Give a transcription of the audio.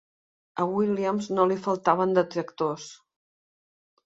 A Williams no li faltaven detractors.